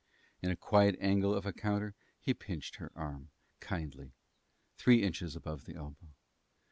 In a quiet angle of a counter he pinched her arm kindly, three inches above the elbow.